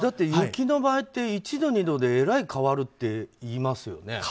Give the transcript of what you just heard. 雪の場合って１度２度でえらい変わるって言いますよね。